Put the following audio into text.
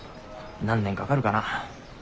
何年かかるかな。